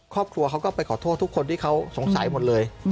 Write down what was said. ครอบครัวเขาก็ไปขอโทษทุกคนที่เขาสงสัยหมดเลย